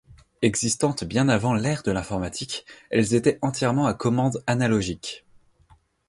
Existantes bien avant l'ère de l'informatique, elles étaient entièrement à commande analogique.